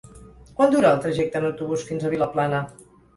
Quant dura el trajecte en autobús fins a Vilaplana?